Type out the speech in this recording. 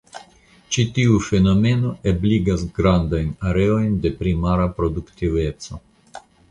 Ĉi tiu fenomeno ebligas grandajn areojn de primara produktiveco.